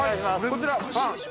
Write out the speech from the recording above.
◆こちら。